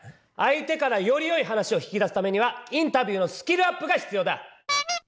相手からよりよい話を引き出すためにはインタビューのスキルアップが必要だ！